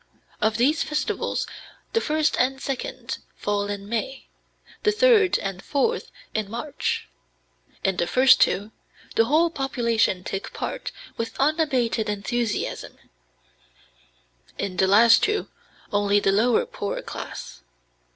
Of these festivals the first and second fall in May, the third and fourth in March. In the first two, the whole population take part with unabated enthusiasm; in the last two only the lower poorer class....